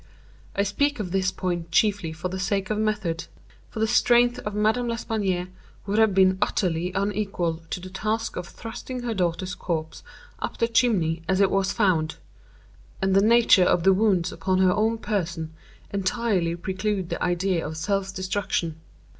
I speak of this point chiefly for the sake of method; for the strength of Madame L'Espanaye would have been utterly unequal to the task of thrusting her daughter's corpse up the chimney as it was found; and the nature of the wounds upon her own person entirely preclude the idea of self destruction.